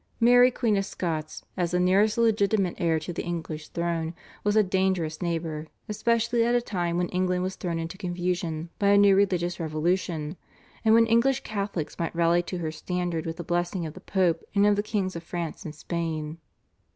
Mary Queen of Scots, as the nearest legitimate heir to the English throne, was a dangerous neighbour, especially at a time when England was thrown into confusion by a new religious revolution, and when English Catholics might rally to her standard with the blessing of the Pope and of the Kings of France and Spain.